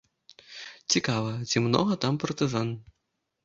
Цікава, ці многа там партызан?